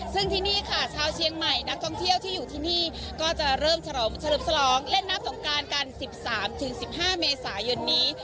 ซึ่งที่นี่ค่ะชาวเชียงใหม่นักท่องเที่ยวที่อยู่ที่นี่ก็จะเริ่มเฉลิมฉลองเล่นน้ำสงการกัน๑๓๑๕เมษายนนี้